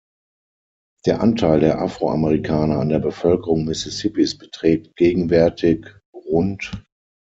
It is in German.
Der Anteil der Afroamerikaner an der Bevölkerung Mississippis beträgt gegenwärtig rd.